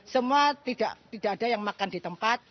semua tidak ada yang makan di tempat